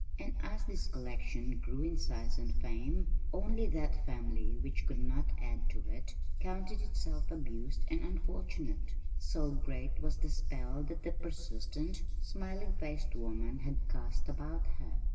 And as this collection grew in size and fame, only that family which could not add to it counted itself abused and unfortunate, so great was the spell that the persistent, smiling faced woman had cast about her.